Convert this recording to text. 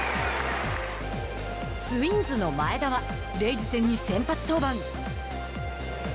ツインズの前田はレイズ戦に先発登板。